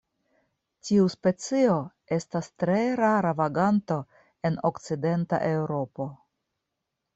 Tiu specio estas tre rara vaganto en Okcidenta Eŭropo.